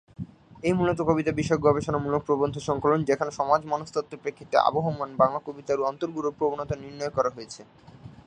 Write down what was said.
এই মূলত কবিতা বিষয়ক গবেষণামূলক প্রবন্ধ সংকলন, যেখানে সামাজ-মনস্তত্ত্বের প্রেক্ষিতে আবহমান বাংলা কবিতার অন্তর্গূঢ় প্রবণতা নির্ণয় করা হয়েছে।